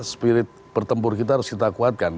spirit bertempur kita harus kita kuatkan